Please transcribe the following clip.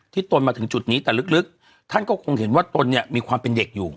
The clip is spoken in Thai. ตนมาถึงจุดนี้แต่ลึกท่านก็คงเห็นว่าตนเนี่ยมีความเป็นเด็กอยู่